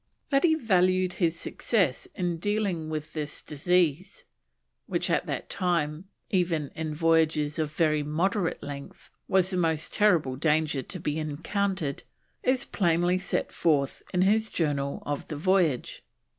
That he valued his success in dealing with this disease, which, at that time, even in voyages of very moderate length was the most terrible danger to be encountered, is plainly set forth in his Journal of the voyage.